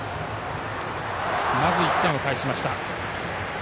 まず１点を返しました。